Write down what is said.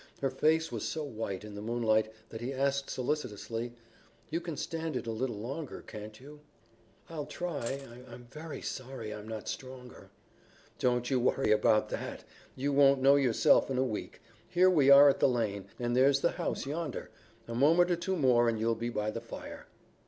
Her face was so white in the moonlight that he asked solicitously, "You can stand it a little longer, can't you?" "I'll try. I'm very sorry I'm not stronger." "Don't you worry about that! You won't know yourself in a week. Here we are at the lane and there's the house yonder. A moment or two more and you'll be by the fire."